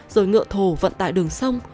rồi ngựa thô vận tải đường sông